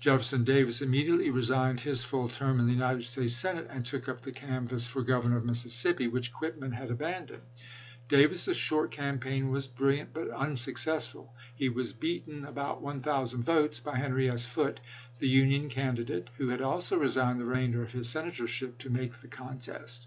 Jefferson Davis immediately resigned his full term in the United States Senate and took up the canvass for Governor of Mississippi, which Quitman had abandoned. Davis's short campaign was brilliant but unsuccessful ; he was beaten about one thou sand votes by Henry S. Foote, the Union candi date, who had also resigned the remainder of his Senatorship to make the contest.